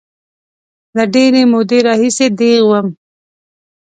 له ډېرې مودې راهیسې دیغ وم.